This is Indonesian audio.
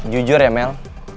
jujur ya mel